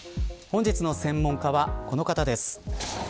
本日の専門家はこの方です。